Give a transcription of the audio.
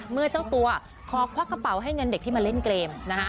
เมื่อเจ้าตัวขอควักกระเป๋าให้เงินเด็กที่มาเล่นเกมนะฮะ